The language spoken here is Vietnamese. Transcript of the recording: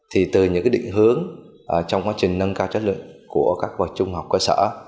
thì từ những định hướng trong quá trình nâng cao chất lượng của các bậc trung học cơ sở